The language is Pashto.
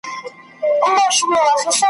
د خپل بېچاره قام `